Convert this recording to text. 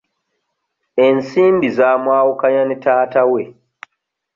Ensimbi zamwawukanya ne taata we.